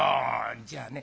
「じゃあね